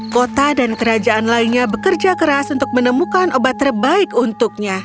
kota dan kerajaan lainnya bekerja keras untuk menemukan obat terbaik untuknya